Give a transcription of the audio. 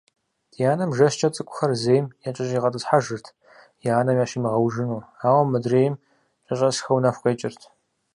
Ди анэм жэщкӀэ цӀыкӀухэр зейм якӀэщӀигъэтӀысхьэжырт, я анэм ящимыгъэужыну, ауэ мыдрейм кӀэщӀэсхэу нэху къекӀырт.